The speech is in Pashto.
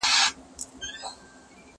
زه به سبا مځکي ته ګورم وم؟